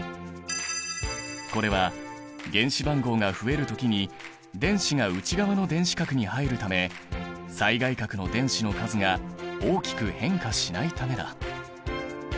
これは原子番号が増える時に電子が内側の電子殻に入るため最外殻の電子の数が大きく変化しないためだ。